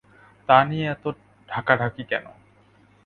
তা নিয়ে এত ঢাকাঢাকি কেন?